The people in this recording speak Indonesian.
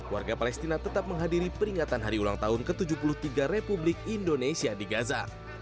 warga palestina tetap menghadiri peringatan hari ulang tahun ke tujuh puluh tiga republik indonesia di gaza